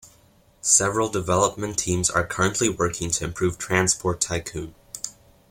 Several development teams are currently working to improve "Transport Tycoon".